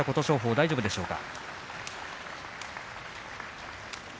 大丈夫でしょうか。